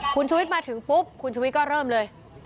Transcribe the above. คุณชุวิตมาถึงปุ๊บคุณชุวิตก็เริ่มเลย